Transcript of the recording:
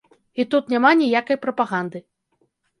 І тут няма ніякай прапаганды.